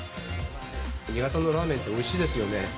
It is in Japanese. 新潟のラーメンっておいしいですよね。